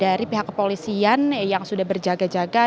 dari pihak kepolisian yang sudah berjaga jaga